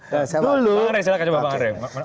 bang andre silahkan